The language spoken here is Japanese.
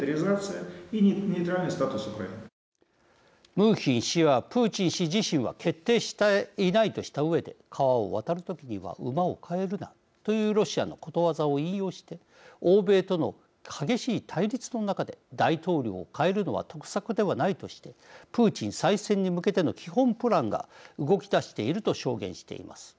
ムーヒン氏はプーチン氏自身は決定していないとしたうえで「川を渡るときには馬を替えるな」というロシアのことわざを引用して欧米との厳しい対立の中で大統領を替えるのは得策ではないとしてプーチン再選に向けての基本プランが動き出していると証言しています。